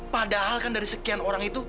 padahal kan dari sekian orang itu